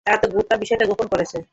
তারা তো গোটা বিষয়টা গোপন করছে।